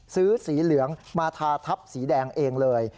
สีเหลืองมาทาทับสีแดงเองเลย